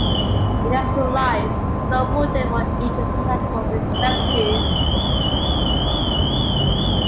An extra life is rewarded for each successful rescue.